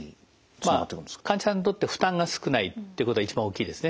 まあ患者さんにとって負担が少ないということが一番大きいですね。